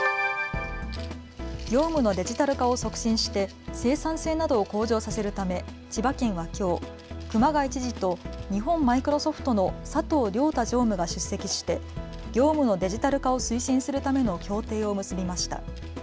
業務のデジタル化を促進して生産性などを向上させるため千葉県はきょう熊谷知事と日本マイクロソフトの佐藤亮太常務が出席して業務のデジタル化を推進するための協定を結びました。